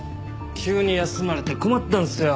急に休まれて困ったんすよ。